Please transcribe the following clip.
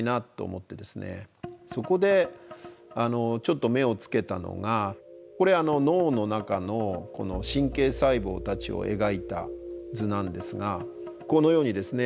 そこでちょっと目をつけたのがこれ脳の中の神経細胞たちを描いた図なんですがこのようにですね